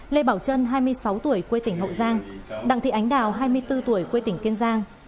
lê bảo trân hai mươi sáu tuổi quê tỉnh hậu giang đặng thị ánh đào hai mươi bốn tuổi quê tỉnh kiên giang